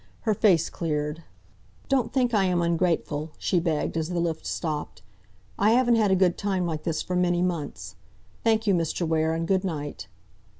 Her face cleared. "Don't think I am ungrateful," she begged, as the lift stopped. "I haven't had a good time like this for many months. Thank you, Mr. Ware, and good night!"